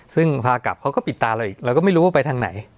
ซึ่งพากลับเขาก็ปิดตาเราอีกเราก็ไม่รู้ว่าไปทางไหน